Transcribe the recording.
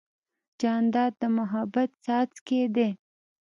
جانداد د محبت څاڅکی دی.